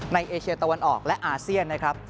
เอเชียตะวันออกและอาเซียนนะครับ